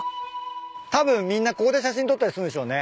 たぶんみんなここで写真撮ったりするんでしょうね。